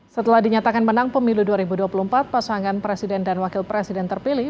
setelah dinyatakan menang pemilu dua ribu dua puluh empat pasangan presiden dan wakil presiden terpilih